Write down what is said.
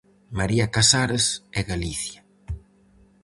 María Casares e Galicia.